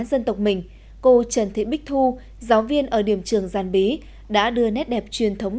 dân tộc mình cô trần thị bích thu giáo viên ở điểm trường giàn bí đã đưa nét đẹp truyền thống